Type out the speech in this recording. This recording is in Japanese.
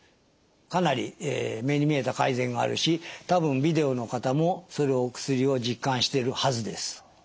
かなり目に見えた改善があるし多分ビデオの方もそれをお薬を実感してるはずです。